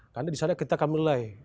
karena disana kita akan mulai